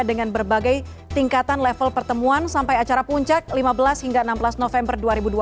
dengan berbagai tingkatan level pertemuan sampai acara puncak lima belas hingga enam belas november dua ribu dua puluh